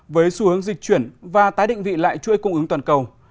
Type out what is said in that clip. với xu hướng dịch chuyển và tái định vị lại chuỗi cung ứng toàn cầu